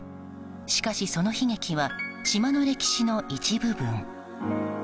しかし、その悲劇は島の歴史の一部分。